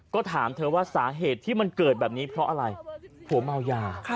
ก็ถามเธอว่าสาเหตุที่มันเกิดแบบนี้เพราะอะไรผัวเมายา